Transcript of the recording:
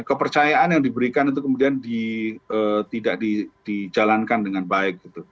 kepercayaan yang diberikan itu kemudian tidak dijalankan dengan baik